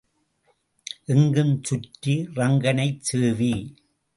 எங்கும் சுற்றி ரங்கனைச் சேவி.